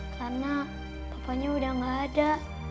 karena papanya udah gak ada